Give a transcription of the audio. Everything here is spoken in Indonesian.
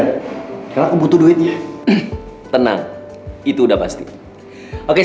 coba kamu pelajari daskah ini